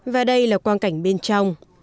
và đây là quan cảnh bên trong